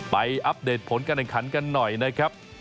ไปอัปเดตผลการการการกันหน่อยนะครับ